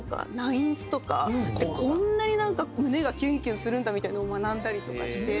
こんなになんか胸がキュンキュンするんだみたいのを学んだりとかして。